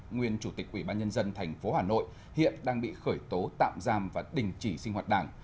nguyên chủ tịch ủy ban nhân dân tp hà nội hiện đang bị khởi tố tạm giam và đình chỉ sinh hoạt đảng